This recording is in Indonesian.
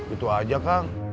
itu aja kang